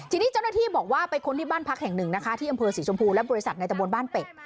ทีนี้เจ้าหน้าที่บอกว่าไปค้นที่บ้านพักแห่งหนึ่งนะคะที่อำเภอศรีชมพูและบริษัทในตะบนบ้านเป็ด